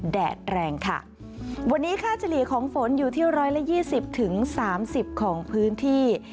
แดดแรงค่ะวันนี้ฆ่าเจรียของฝนอยู่ที่๑๒๐๓๐ของพื้นที่